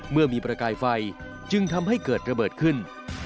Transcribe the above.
เมื่อมีประกายไฟจึงทำให้เกิดระเบิดขึ้น